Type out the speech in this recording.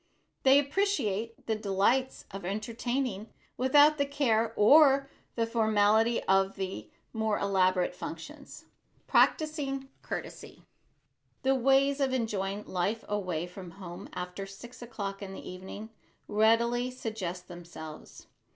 They appreciate the delights of entertaining without the care or the formality of more elaborate functions. [Sidenote: PRACTISING COURTESY] The ways of enjoying life away from home after six o'clock in the evening, readily suggest themselves.